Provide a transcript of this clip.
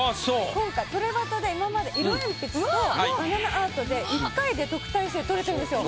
今回「プレバト」で今まで色鉛筆とバナナアートで１回で特待生とれてるんですよ。